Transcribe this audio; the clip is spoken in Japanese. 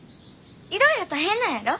いろいろ大変なんやろ？